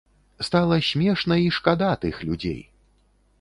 Стала смешна і шкада тых людзей.